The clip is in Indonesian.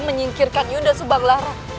menyingkirkan yudha subang lara